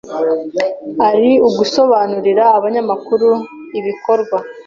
ari ugusobanurira abanyamakuru, ibikorwa